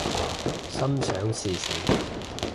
心想事成